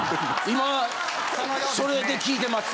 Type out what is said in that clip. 今それで聞いてます。